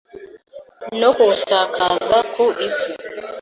no kuwusakaza ku Isi